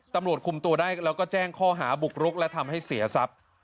ตำรวจคุมตัวได้แล้วก็แจ้งข้อหาบุกรุกและทำให้เสียทรัพย์